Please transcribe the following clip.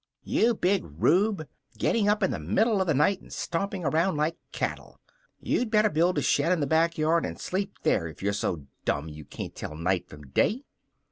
"You big rube! Getting up in the middle of the night and stomping around like cattle. You'd better build a shed in the back yard and sleep there if you're so dumb you can't tell night from day."